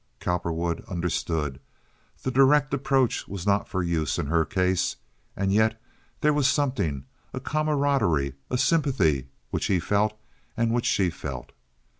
Cowperwood understood. The direct approach was not for use in her case; and yet there was something, a camaraderie, a sympathy which he felt and which she felt.